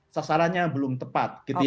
sasarannya belum tepat